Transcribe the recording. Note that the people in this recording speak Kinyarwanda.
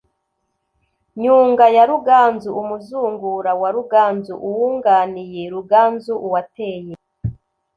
nyunga ya ruganzu: umuzungura wa ruganzu; uwunganiye ruganzu uwateye